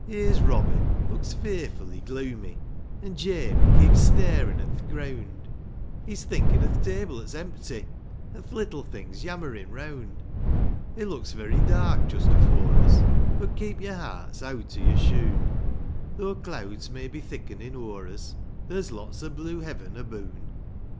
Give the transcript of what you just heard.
ERE'S Robin looks fearfully gloomy, An' Jamie keeps starin' at th' greawnd, He's thinkin' o'th table 'at's empty, An th' little things yammerin" reawnd; It looks very dark just afore us, — But, keep your hearts eawt o' your shoon, —" Though clouds may be thickenin' o'er us, There's lots o' blue heaven aboon